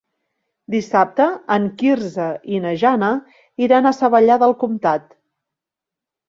Dissabte en Quirze i na Jana iran a Savallà del Comtat.